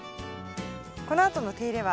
このあとの手入れは？